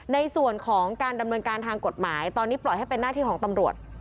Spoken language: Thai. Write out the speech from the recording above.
ในส่วนของการดำเนินการทางกฎหมายตอนนี้ปล่อยให้เป็นหน้าที่ของตำรวจ